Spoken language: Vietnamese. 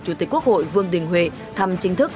chủ tịch quốc hội vương đình huệ thăm chính thức